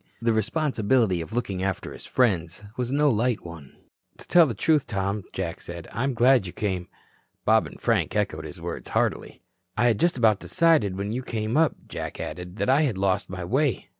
The responsibility of looking after his friends was no light one. "To tell the truth, Tom," Jack said, "I'm glad you came." Bob and Frank echoed his words heartily. "I had just about decided when you came up," Jack added, "that I had lost my way.